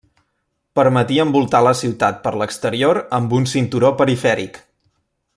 Permetia envoltar la ciutat per l'exterior amb un cinturó perifèric.